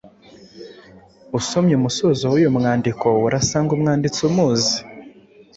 Usomye umusozo w’uyu mwandiko urasanga umwanditsi umuzi